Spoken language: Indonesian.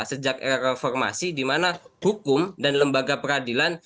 sejak era reformasi di mana hukum dan lembaga peradilan